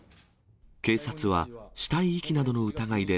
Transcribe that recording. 警察は、死体遺棄などの疑いで、